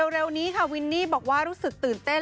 เร็วนี้ค่ะวินนี่บอกว่ารู้สึกตื่นเต้น